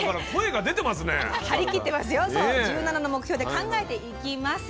１７の目標で考えていきます。